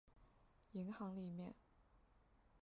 银行里面